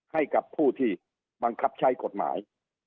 ให้กับผู้ที่บังคับใช้กฎหมาย